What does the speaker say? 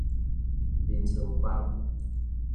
眠床枋